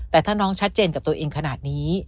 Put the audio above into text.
แต่ถ้าน้องชัดเจนกับตัวเองขนาดนี้